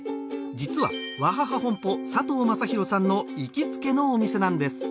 じつはワハハ本舗佐藤正宏さんのいきつけのお店なんです